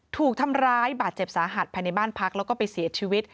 ถูกทำร้ายบาดเจ็บสาหัสภายในบ้านพักแล้วก็ไปเสียชีวิต